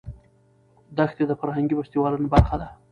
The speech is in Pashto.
دښتې د فرهنګي فستیوالونو برخه ده.